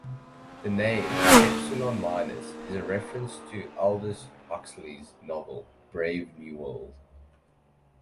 The name "Epsilon Minus" is a reference to Aldous Huxley's novel "Brave New World".